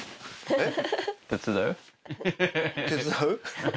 えっ！